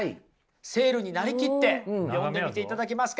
セールになりきって読んでみていただけますか？